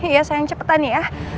iya sayang cepetan ya